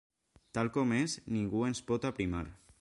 Tal com és, ningú ens pot aprimar.